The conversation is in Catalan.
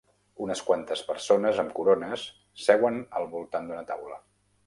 Unes quantes persones amb corones seuen al voltant d'una taula.